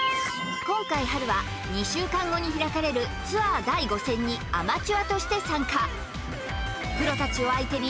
今回はるは２週間後に開かれるツアー第５戦にアマチュアとして参加